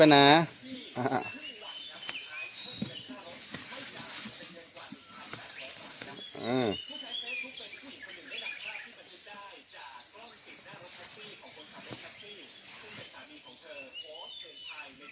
ห้องคนขี้ที่ว่ารอบรถทรักที่